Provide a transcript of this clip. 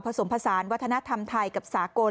ผสมผสานวัฒนธรรมไทยกับสากล